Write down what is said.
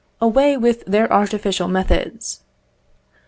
Away with their artificial methods!